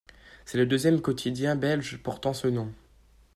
C'est le deuxième quotidien belge portant ce nom.